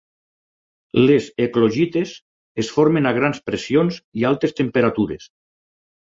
Les eclogites es formen a grans pressions i altes temperatures.